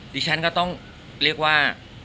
ดิฉันก็ต้องเรียกว่า